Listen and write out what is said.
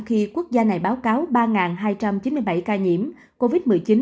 khi quốc gia này báo cáo ba hai trăm chín mươi bảy ca nhiễm covid một mươi chín